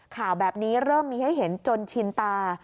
ข่าวแบบนี้เริ่มมีให้เห็นจนชินตา